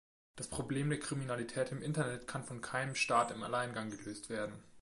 Das Problem der Kriminalität im Internet kann von keinem Staat im Alleingang gelöst werden.